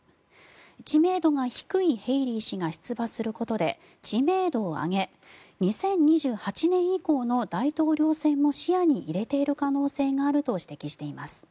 知名度が低いヘイリー氏が出馬することで知名度を上げ２０２８年度以降の大統領選も視野に入れている可能性もあると指摘しています。